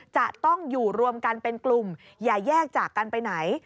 จะต้องอยู่รวมกันเป็นกลุ่มอย่าแยกจากกันไปไหน